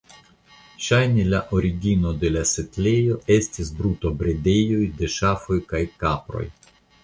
Ŝajne la origino de la setlejo estas brutobredejoj de ŝafoj kaj kaproj.